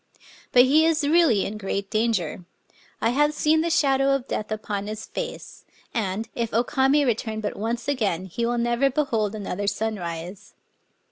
But he is really in great danger. I have seen the shadow of death upon his fece; and, if O Kamc return but once again, he will never behold another sunrise.